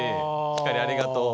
ひかりありがとう。